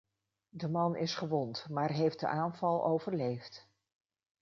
De man is gewond, maar heeft de aanval overleefd.